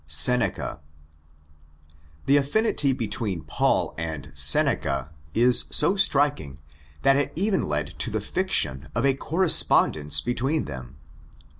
Seneca. The affinity between Paul and Seneca is so striking that it even led to the fiction of a correspondence between them.